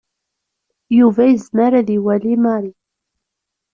Yuba yezmer ad iwali Mary.